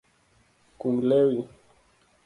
Kung lewi.